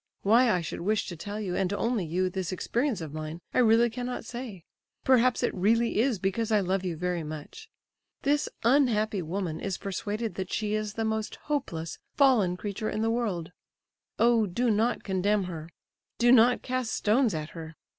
Why I should wish to tell you, and only you, this experience of mine, I really cannot say; perhaps it really is because I love you very much. This unhappy woman is persuaded that she is the most hopeless, fallen creature in the world. Oh, do not condemn her! Do not cast stones at her!